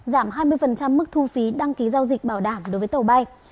giảm hai mươi mức thu phí đăng ký giao dịch bảo đảm đối với tàu bay